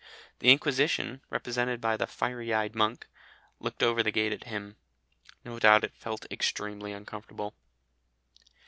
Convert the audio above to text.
The Inquisition, represented by the fiery eyed monk, "looked over the gate at him." No doubt it felt extremely uncomfortable.